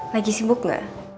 lagi sibuk gak